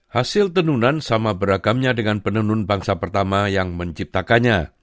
hasil tenunan sama beragamnya dengan penenun bangsa pertama yang menciptakannya